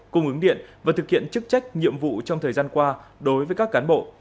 cung ứng điện và thực hiện chức trách nhiệm vụ trong thời gian qua đối với các cán bộ